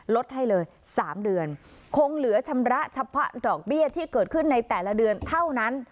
ลดให้เลย๓เดือนคงเหลือชำระเฉพาะดอกเบี้ยที่เกิดขึ้นในแต่ละเดือนเท่านั้น